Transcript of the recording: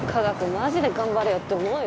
マジで頑張れよって思うよね。